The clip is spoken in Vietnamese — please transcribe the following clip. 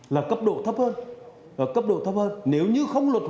là cấp độ thấp hơn là cấp độ thấp hơn